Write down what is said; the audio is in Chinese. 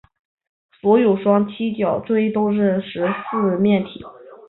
所有双七角锥都是十四面体。